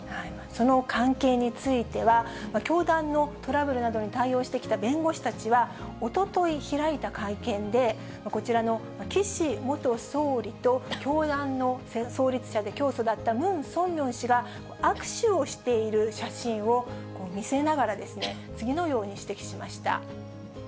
その関係については、教団のトラブルなどに対応してきた弁護士たちは、おととい開いた会見で、こちらの岸元総理と、教団の創立者で教祖だったムン・ソンミョン氏が、握手をしている写真を見せながら、次のように指摘しました。